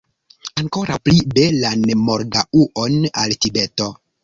Ankoraŭ pli belan morgaŭon al Tibeto!